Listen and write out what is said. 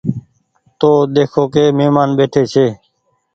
تو ۮيکو ڪي مهمآن ٻيٺي ڇي۔